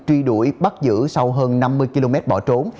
truy đuổi bắt giữ sau hơn năm mươi km bỏ trốn